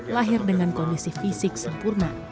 lahir dengan kondisi fisik sempurna